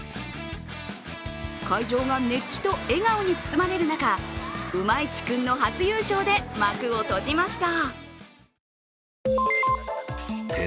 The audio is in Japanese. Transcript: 会場が熱気と笑顔に包まれる中、うまいちくんの初優勝で幕を閉じました。